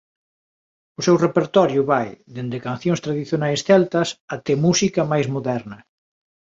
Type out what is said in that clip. O seu repertorio vai dende cancións tradicionais celtas até música máis moderna.